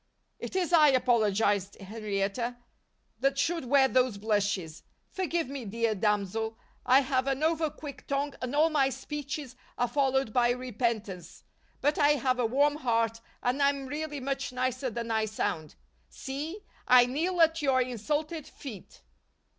"It is I," apologized Henrietta, "that should wear those blushes. Forgive me, dear Damsel. I have an over quick tongue and all my speeches are followed by repentance. But I have a warm heart and I'm really much nicer than I sound. See, I kneel at your insulted feet."